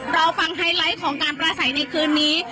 รอฟังไฮไลท์ของการประสัยในคืนนี้